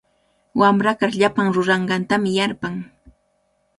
Wamra kar llapan ruranqantami yarpan.